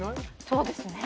そうですね。